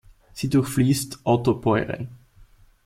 Sie durchfließt Ottobeuren.